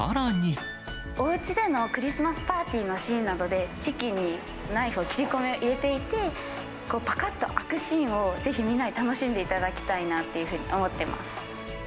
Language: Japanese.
おうちでのクリスマスパーティーのシーンなどで、チキンにナイフで切り込みを入れていて、ぱかっと開くシーンをぜひみんなで楽しんでいただきたいなというふうに思ってます。